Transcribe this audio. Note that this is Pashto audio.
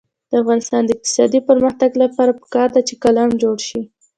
د افغانستان د اقتصادي پرمختګ لپاره پکار ده چې قلم جوړ شي.